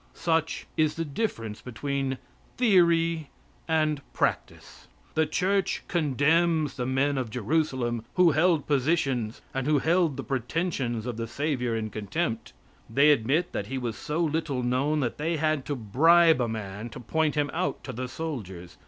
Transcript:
Such is the difference between theory and practice. The church condemns the men of Jerusalem who held positions and who held the pretensions of the Savior in contempt. They admit that He was so little known that they had to bribe a man to point Him out to the soldiers.